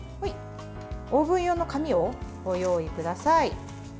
オーブン用の紙をご用意ください。